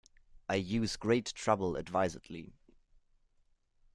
I use great trouble advisedly.